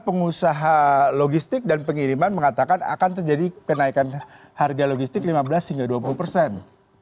pengusaha logistik dan pengiriman mengatakan akan terjadi kenaikan harga logistik lima belas hingga dua puluh persen